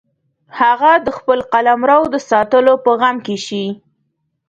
هغه د خپل قلمرو د ساتلو په غم کې شي.